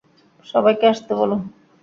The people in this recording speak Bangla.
সবাইকে আসতে বল।